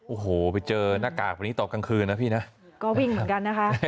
โอ้โหไปเจอหน้ากากแบบนี้ตอนกลางคืนนะพี่นะก็วิ่งเหมือนกันนะคะ